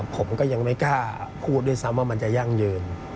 ผมก็ยังไม่กล้าพูดด้วยซ้ำว่ามันจะยั่งยืน